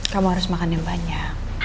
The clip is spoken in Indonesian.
kamu harus makan yang banyak